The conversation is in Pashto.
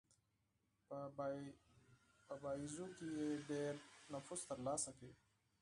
په باییزو کې یې ډېر نفوذ ترلاسه کړ.